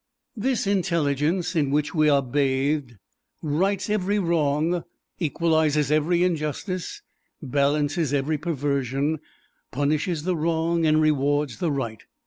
This intelligence in which we are bathed rights every wrong, equalizes every injustice, balances every perversion, punishes the wrong and rewards the right.